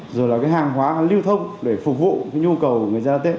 rồi là cái hàng hóa lưu thông để phục vụ nhu cầu người dân tết